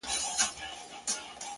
د بلبل په نوم هیچا نه وو بللی!.